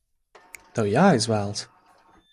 Tev jāizvēlas!